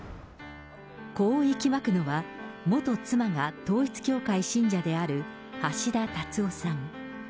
こう息巻くのは、元妻が統一教会信者である橋田達夫さん。